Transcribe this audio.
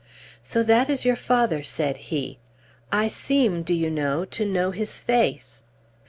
"So that is your father," said he. "I seem, do you know, to know his face?"